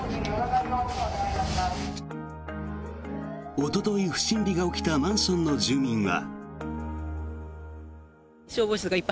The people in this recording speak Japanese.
おととい不審火が起きたマンションの住民は。